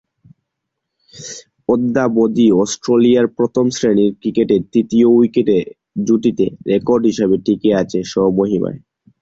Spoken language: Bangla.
অদ্যাবধি অস্ট্রেলিয়ায় প্রথম-শ্রেণীর ক্রিকেটে তৃতীয় উইকেট জুটিতে রেকর্ড হিসেবে টিকে আছে স্ব-মহিমায়।